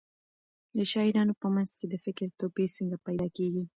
د شاعرانو په منځ کې د فکر توپیر څنګه پیدا کېږي؟